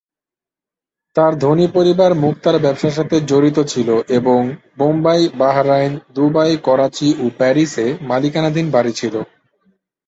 তার ধনী পরিবার মুক্তার ব্যবসার সাথে জড়িত ছিল এবং "বোম্বাই, বাহরাইন, দুবাই, করাচি ও প্যারিস"-এ মালিকানাধীন বাড়ি ছিল।